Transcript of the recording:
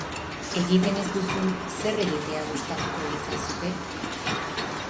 Egiten ez duzun zer egitea gustatuko litzaizuke?